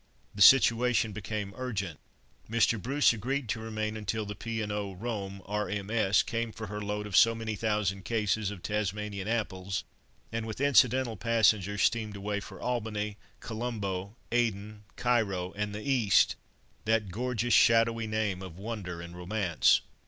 The situation became urgent. Mr. Bruce agreed to remain until the P. and O. Rome, R.M.S. came for her load of so many thousand cases of Tasmanian apples, and with incidental passengers steamed away for Albany, Colombo, Aden, Cairo, and the East—that gorgeous, shadowy name of wonder and romance.